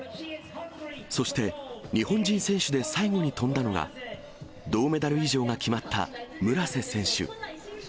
そして、日本人選手で最後に飛んだのが、銅メダル以上が決まった村瀬選手。